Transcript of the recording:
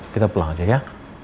kita pulang aja ya